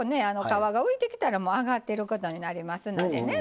皮が浮いてきたらもう揚がってることになりますのでね